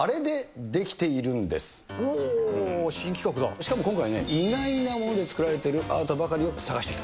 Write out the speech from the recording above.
しかも今回ね、意外なもので作られているアートばかりを探してきた。